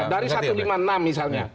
dari satu ratus lima puluh enam misalnya